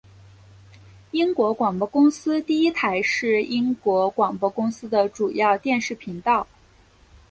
英国广播公司第一台是英国广播公司的主要电视频道。